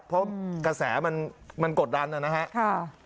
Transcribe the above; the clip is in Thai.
เพราะกระแสมันมันกดดันแล้วนะฮะค่ะ